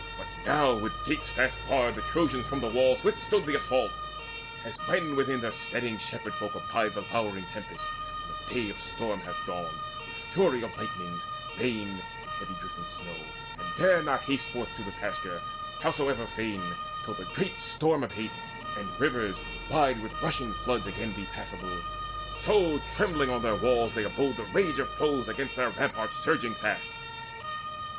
But now with gates fast barred The Trojans from the walls withstood the assault. As when within their steading shepherd folk Abide the lowering tempest, when a day Of storm hath dawned, with fury of lightnings, rain And heavy drifting snow, and dare not haste Forth to the pasture, howsoever fain, Till the great storm abate, and rivers, wide With rushing floods, again be passable; So trembling on their walls they abode the rage Of foes against their ramparts surging fast.